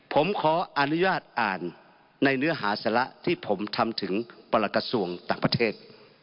ผมขออนุญาตอ่านในเนื้อหาสาระที่ผมทำถึงประหลักกระทรวงต่างประเทศ